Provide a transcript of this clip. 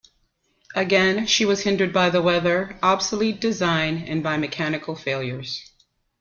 Again, she was hindered by the weather, obsolete design, and by mechanical failures.